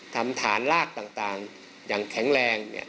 ทำฐานลากต่างอย่างแข็งแรง